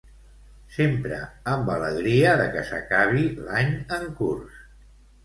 Sempre amb alegria de que s'acabi l'any en curs.